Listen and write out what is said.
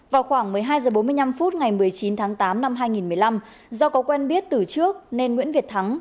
vào khoảng một mươi hai h bốn mươi năm phút ngày một mươi chín tháng tám năm hai nghìn một mươi năm do có quen biết từ trước nên nguyễn việt thắng